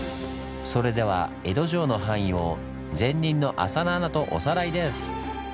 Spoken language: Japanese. それでは江戸城の範囲を前任の浅野アナとおさらいです！